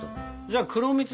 じゃあ黒蜜